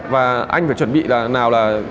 và anh phải chuẩn bị nào là